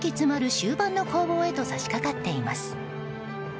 終盤の攻防へと差し掛かっています。